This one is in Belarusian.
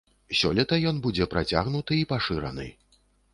Сёлета ён будзе працягнуты і пашыраны.